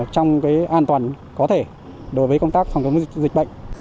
trong an toàn có thể đối với công tác phòng chống dịch bệnh